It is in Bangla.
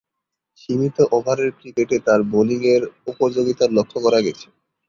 সীমিত ওভারের ক্রিকেটে তার বোলিংয়ের উপযোগিতা লক্ষ্য করা গেছে।